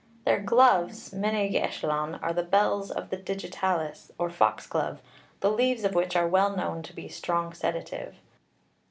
Their gloves, menyg ellyllon, are the bells of the digitalis, or fox glove, the leaves of which are well known to be a strong sedative.